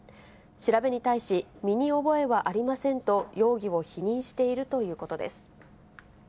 調べに対し、身に覚えはありませんと容疑を否認しているということです。